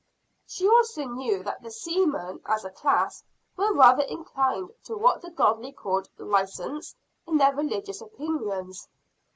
She also knew that the seamen as a class were rather inclined to what the godly called license in their religious opinions.